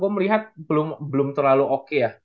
aku melihat belum terlalu oke ya